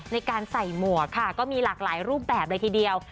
ในการใส่หมวกค่ะก็มีหลากหลายรูปแบบเลยทีเดียว